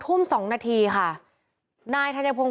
พุ่งเข้ามาแล้วกับแม่แค่สองคน